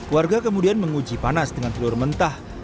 warga kemudian menguji panas dengan telur mentah